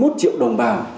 ba mươi một triệu đồng bào